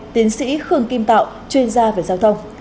tiến sĩ khương kim tạo chuyên gia về giao thông